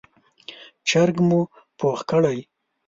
چرګ مو پوخ کړی،